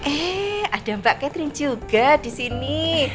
eh ada mbak catherine juga disini